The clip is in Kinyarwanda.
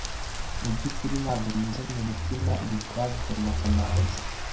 Mubyukuri ntabwo meze mumutima ibi byavuzwe na kamanzi